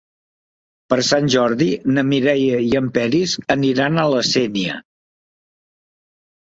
Per Sant Jordi na Mireia i en Peris iran a la Sénia.